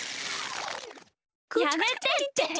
やめてって。